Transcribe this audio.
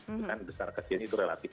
bukan besar besar kecilnya itu relatif